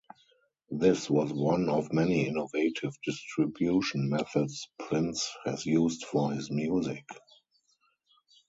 This was one of many innovative distribution methods Prince has used for his music.